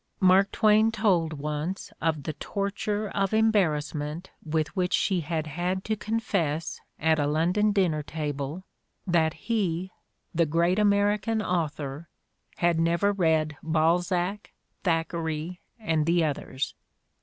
Mark Twain told once of the torture of embarrassment with which she had had to confess at a London dinner table that he, the great American author, had never read Balzac, Thackeray, "and the others.